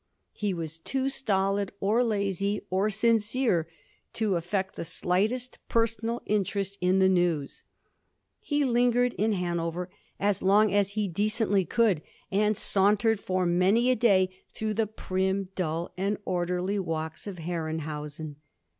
He was too stolid, or lazy, or sincere to afi^ect the slightest personal interest in the news. He lingered in Hanover as long as he decently could, and sauntered for many a day through the prim, dull, and orderly walks of Herrenhausen.